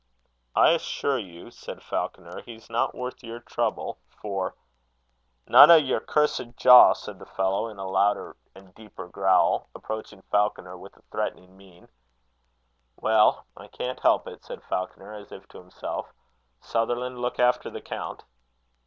"I assure you," said Falconer, "he's not worth your trouble; for " "None o' your cursed jaw!" said the fellow, in a louder and deeper growl, approaching Falconer with a threatening mien. "Well, I can't help it," said Falconer, as if to himself. "Sutherland, look after the count."